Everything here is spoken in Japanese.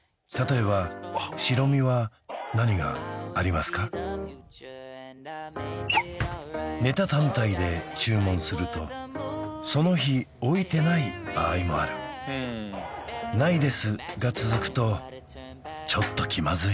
おすすめはああネタ単体で注文するとその日置いてない場合もある「ないです」が続くとちょっと気まずい